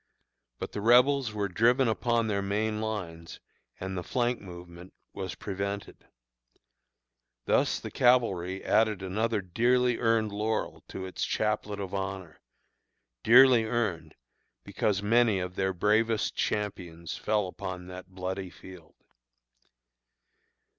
But the Rebels were driven upon their main lines, and the flank movement was prevented. Thus the cavalry added another dearly earned laurel to its chaplet of honor dearly earned, because many of their bravest champions fell upon that bloody field.